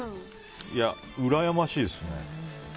うらやましいですね。